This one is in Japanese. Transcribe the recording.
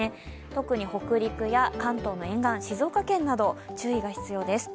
特に北陸や関東の沿岸、静岡県など注意が必要です。